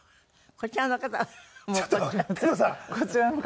「こちらの方」。